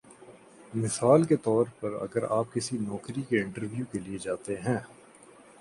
مثال کے طور پر اگر آپ کسی نوکری کے انٹرویو کے لیے جاتے ہیں